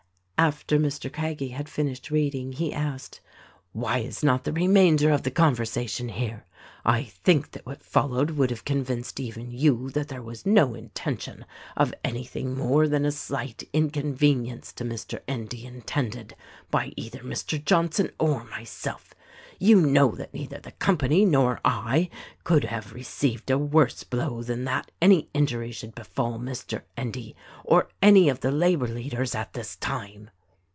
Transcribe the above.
After Mr. Craggie had finished reading he asked : "Why is not the remainder of the conversation here? I think that what followed would have convinced even you that there was no intention of anything more than a slight incon venience to Mr. Endy intended by either Mr. Johnson or myself. You know that neither the company nor I could have received a worse blow than that any injury should befall Mr. Endy or any of the labor leaders at this time."